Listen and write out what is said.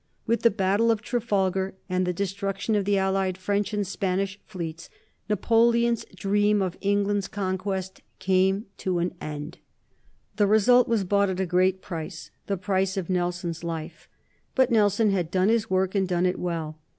With the battle of Trafalgar and the destruction of the allied French and Spanish fleets Napoleon's dream of England's conquest came to an end. The result was bought at a great price, the price of Nelson's life. But Nelson had done his work, and done it well.